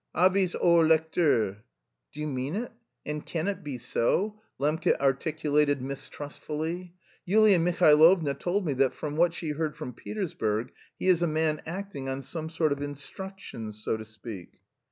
Avis au lecteur." "Do you mean it? And can it be so?" Lembke articulated mistrustfully. "Yulia Mihailovna told me that from what she heard from Petersburg he is a man acting on some sort of instructions, so to speak...."